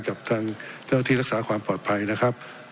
กับทางเจ้าที่รักษาความปลอดภัยนะครับ